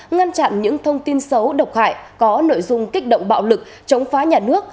ngăn chặn những thông tin xấu độc hại có nội dung kích động bạo lực chống phá nhà nước